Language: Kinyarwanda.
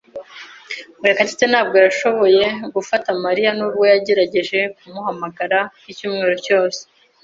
Murekatete ntabwo yashoboye gufata Mariya, nubwo yagerageje kumuhamagara icyumweru cyose.